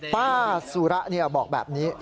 ป้าสุระบอกแบบนี้